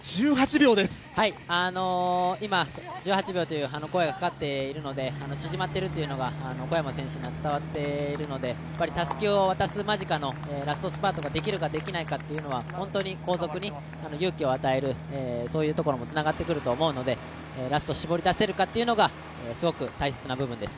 今、１８秒という声がかかっているので縮まっているというのが小山選手には伝わっているのでたすきを渡す間近のラストスパートができるかできないかというのは本当に後続に勇気を与えることにもつながってくると思うので、ラスト絞り出せるかがすごく大切な部分です。